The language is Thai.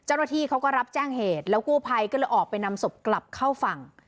เจ้าหน้าที่เขาก็รับแจ้งเหตุแล้วกู้ภัยก็เลยออกไปนำศพกลับเข้าฝั่ง